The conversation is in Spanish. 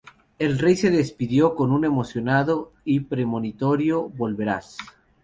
El Rey se despidió con un emocionado y premonitorio "volverás".